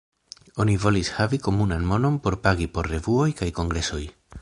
Oni volis havi komunan monon por pagi por revuoj kaj kongresoj.